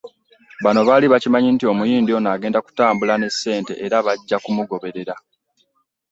Bano baali bakimanyi nti omuyindi ono agenda kutambula ne ssente era bajja kumugoberera